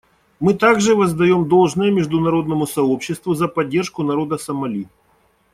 Мы также воздаем должное международному сообществу за поддержку народа Сомали.